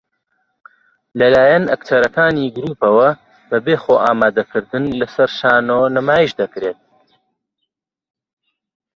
لە لایەن ئەکتەرەکانی گرووپەوە بەبێ خۆئامادەکردن لەسەر شانۆ نمایش دەکرێن